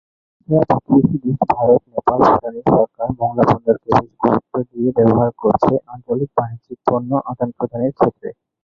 এছাড়া প্রতিবেশী দেশ ভারত নেপাল ভুটানের সরকার মোংলা বন্দরকে বেশ গুরুত্ব দিয়ে ব্যবহার করছে আঞ্চলিক বাণিজ্যিক পণ্য আদান প্রদানের ক্ষেত্রে।